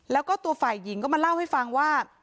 แล้วก็ตัวฝ่ายหญิงก็มาเล่าให้ฟังว่า